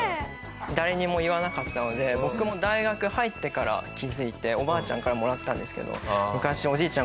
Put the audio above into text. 誰にも言わなかったので僕も大学入ってから気づいておばあちゃんからもらったんですけど昔おじいちゃん